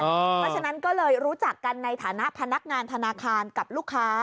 เพราะฉะนั้นก็เลยรู้จักกันในฐานะพนักงานธนาคารกับลูกค้า